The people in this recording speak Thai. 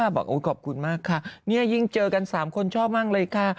บอกขอบคุณมากค่ะนี่ยิ่งเจอกัน๓คนชอบมากเลยค่ะ